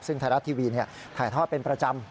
ซึ่งไทยรัฐทีวีถ่ายทอดเป็นประจำ